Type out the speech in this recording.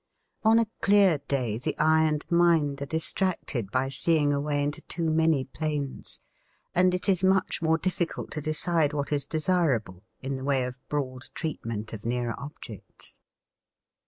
On a clear day the eye and mind are distracted by seeing away into too many planes, and it is much more difficult to decide what is desirable in the way of broad treatment of nearer objects.